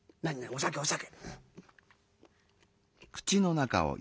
お酒お酒」。